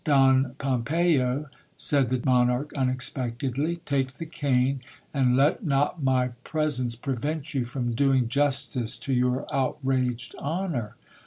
Don Pompeyo, said the monarch unexpectedly, take the cane, and let not my pre sence prevent you from doing justice to your outraged honour.